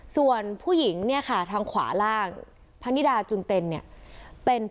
ส่วนผู้หญิงเนี่ยค่ะทางขวาล่างพนิดาจุนเต็นเนี่ยเป็น